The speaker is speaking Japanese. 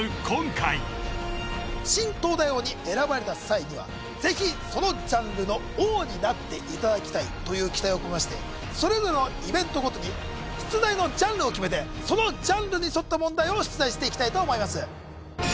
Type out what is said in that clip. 今回新東大王に選ばれた際にはぜひそのジャンルの王になっていただきたいという期待を込めましてそれぞれのイベントごとに出題のジャンルを決めてそのジャンルに沿った問題を出題していきたいと思います